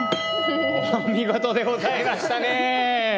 お見事でございましたね。